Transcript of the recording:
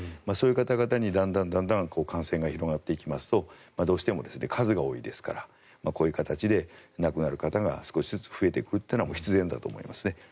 そういう方々にだんだん感染が広がっていきますとどうしても数が多いですからこういう形で亡くなる方が少しずつ増えていくのは必然だと思いますね。